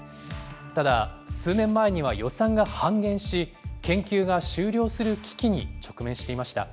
ただ、数年前には予算が半減し、研究が終了する危機に直面していました。